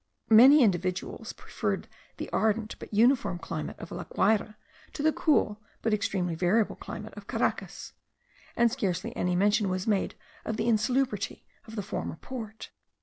Many individuals preferred the ardent but uniform climate of La Guayra to the cool but extremely variable climate of Caracas; and scarcely any mention was made of the insalubrity of the former port.